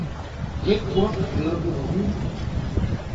Graet ho poa al labour hoc'h-unan.